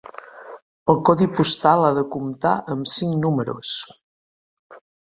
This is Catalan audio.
El codi postal ha de comptar amb cinc números.